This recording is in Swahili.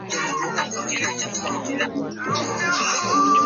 Dalili za ugonjwa wa minyoo kwa mbuzi ni kuvimba taya